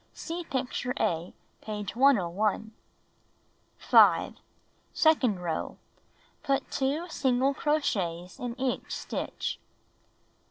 (See picture A, page 101.) 5. Second row: Put 2 single crochets in each stitch.